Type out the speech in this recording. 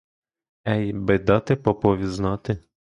Ей би дати попові знати!